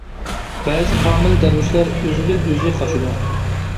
بەزى كامىل دەرۋىشلەر ئۆزىدىن ئۆزى قاچىدۇ.